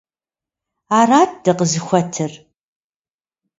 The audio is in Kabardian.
Арат дыкъызыхуэтыр…